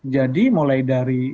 jadi mulai dari